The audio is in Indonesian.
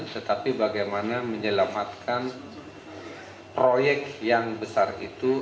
tetapi bagaimana menyelamatkan proyek yang besar itu